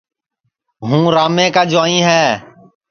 ہوں رامے کا جُوائیں ہے